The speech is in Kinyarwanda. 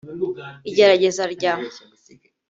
Igerageza rya